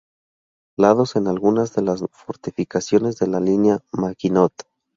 Lados en algunas de las fortificaciones de la Línea Maginot.